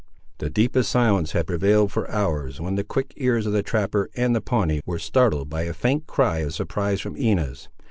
The deepest silence had prevailed for hours, when the quick ears of the trapper and the Pawnee were startled by a faint cry of surprise from Inez.